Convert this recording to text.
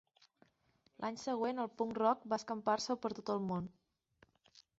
L'any següent el punk rock va escampar-se per tot el món.